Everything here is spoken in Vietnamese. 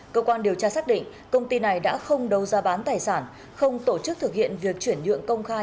cơ quan điều tra xác định công ty này đã không đấu giá bán tài sản không tổ chức thực hiện việc chuyển nhượng công khai